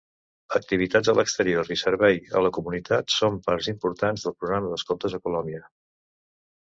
Activitats a l'exterior i servei a la comunitat són parts importants del programa d'escoltes a Colombia.